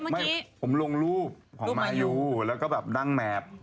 ไม่ผมลงรูปของมายูแล้วก็แบบนั่งแมพ